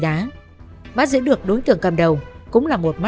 nếu đối tượng có xác định anh ta